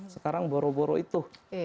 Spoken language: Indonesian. sekarang boro boro itu